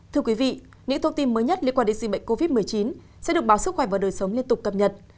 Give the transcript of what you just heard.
thưa quý vị những thông tin mới nhất liên quan đến dịch bệnh covid một mươi chín sẽ được báo sức khỏe và đời sống liên tục cập nhật